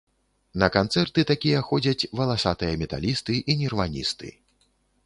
На канцэрты такія ходзяць валасатыя металісты і нірваністы.